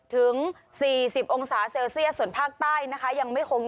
ถึง๔๐องศาเซลเซียสส่วนภาคใต้นะคะ